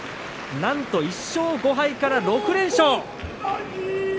なんと１勝５敗から６連勝。